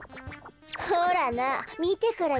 ほらなみてからいえよ。